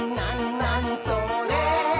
なにそれ？」